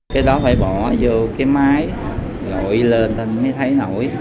cái đó phải bỏ vô cái máy gọi lên thì mới thấy nổi